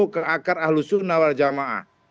ke akar ahlus sunnahwal jamaah